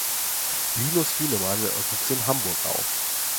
Linus Jünemann wuchs in Hamburg auf.